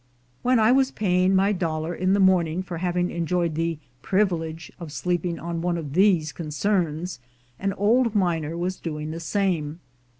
When I was paying my dollar in the morning for having enjoyed the privilege of sleeping on one of these concerns, an old miner was doing the same.